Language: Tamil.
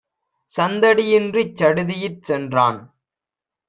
சந்தடி யின்றிச் சடுதியிற் சென்றான்.